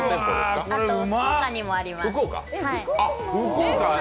あと福岡にもあります。